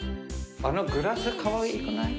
あのグラスかわいくない？